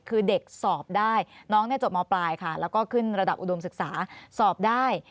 คือเด็กสอบได้น้องจบมปลายค่ะแล้วก็ขึ้นระดับอุดมศึกษาสอบได้